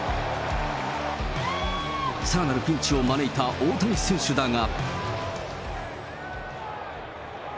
さらなるピンチを招いた大谷選手だが。